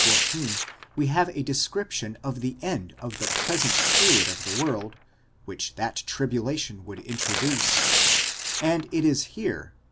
14 we have a description of the end of the present period of the world, which that tribulation would introduce, and it is here (v.